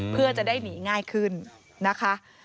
เพื่อจะได้หนีง่ายขึ้นนะคะ